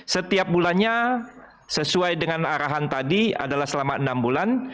setiap bulannya sesuai dengan arahan tadi adalah selama enam bulan